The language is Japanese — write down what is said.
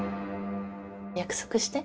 約束して。